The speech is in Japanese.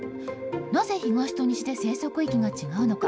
なぜ東と西で生息域が違うのか。